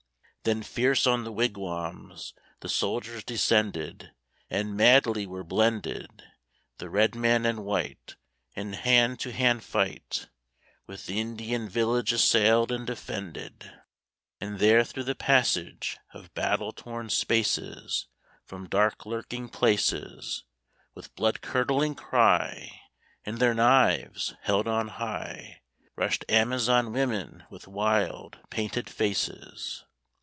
Then fierce on the wigwams The soldiers descended, And madly were blended, The red man and white In a hand to hand fight, With the Indian village assailed and defended. And there through the passage Of battle torn spaces, From dark lurking places, With blood curdling cry And their knives held on high, Rushed Amazon women with wild, painted faces.